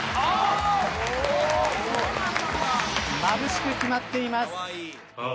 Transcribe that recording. まぶしく決まっています。